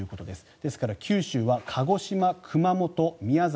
ですから九州は鹿児島、熊本、宮崎